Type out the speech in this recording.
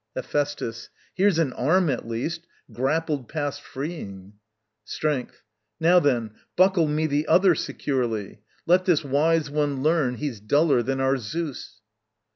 Hephæstus. Here's an arm, at least, Grappled past freeing. Strength. Now then, buckle me The other securely. Let this wise one learn He's duller than our Zeus.